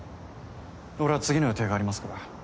俺は次の予定がありますから。